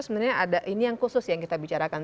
sebenarnya ada ini yang khusus yang kita bicarakan